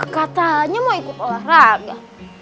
katanya mau ikut olahraga